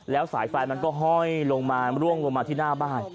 แล้วสายไฟมันก็ห้อยลงมาร่วงลงมาที่หน้าบ้าน